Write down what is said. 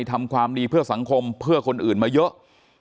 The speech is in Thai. ทำความดีเพื่อสังคมเพื่อคนอื่นมาเยอะ